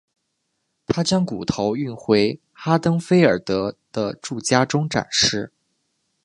他将骨头运回哈登菲尔德的住家中展示。